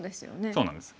そうなんです。